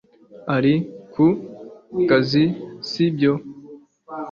ari ku kazi, si byo